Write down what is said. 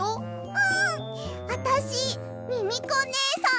うん！あたしミミコねえさんそっくり！